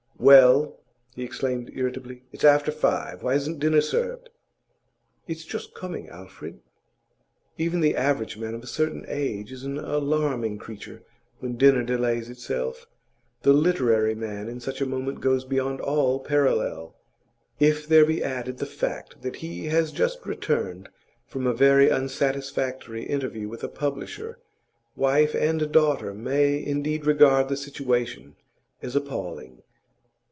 'Well?' he exclaimed irritably. 'It's after five; why isn't dinner served?' 'It's just coming, Alfred.' Even the average man of a certain age is an alarming creature when dinner delays itself; the literary man in such a moment goes beyond all parallel. If there be added the fact that he has just returned from a very unsatisfactory interview with a publisher, wife and daughter may indeed regard the situation as appalling.